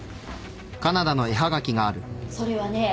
それはね